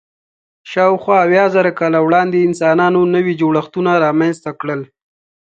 شاوخوا اویا زره کاله وړاندې انسانانو نوي جوړښتونه رامنځ ته کړل.